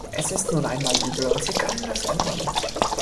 Er ist nun einmal übel, und Sie können das ändern.